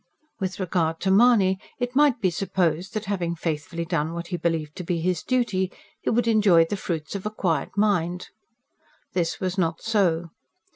With regard to Mahony, it might be supposed that having faithfully done what he believed to be his duty, he would enjoy the fruits of a quiet mind. This was not so.